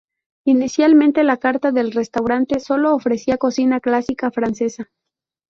Inicialmente, la carta del restaurante solo ofrecía cocina clásica francesa.